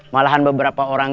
malahan beberapa orang